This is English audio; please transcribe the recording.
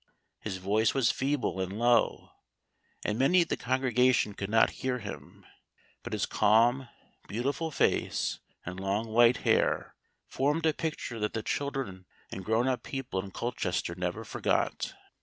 His voice was feeble and low, and many of the congregation could not hear him; but his calm, beautiful face, and long white hair formed a picture that the children and grown up people in Colchester never forgot.